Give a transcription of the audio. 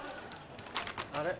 あれ？